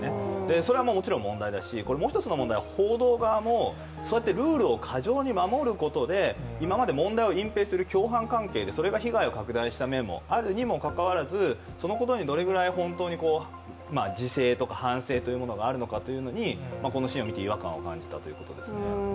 それは問題だし、もう一つの問題は報道側も、そうやってルールを過剰に守ることで今まで隠蔽をする共犯関係があって、それで被害が拡大したにもかかわらず、そのことにどれくらい本当に自制とか反省というものがあるのかというところに、このシーンをみて違和感を覚えたということです。